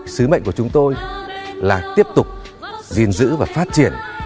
sứ mệnh của chúng tôi là tiếp tục gìn giữ và phát triển